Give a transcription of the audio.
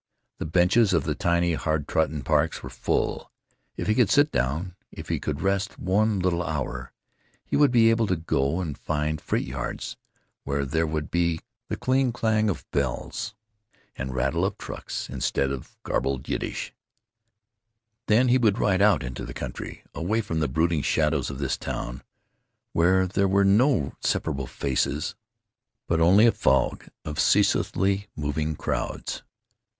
The benches of the tiny hard trodden parks were full.... If he could sit down, if he could rest one little hour, he would be able to go and find freight yards, where there would be the clean clang of bells and rattle of trucks instead of gabbled Yiddish. Then he would ride out into the country, away from the brooding shadows of this town, where there were no separable faces, but only a fog of ceaselessly moving crowds....